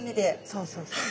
そうそうそう。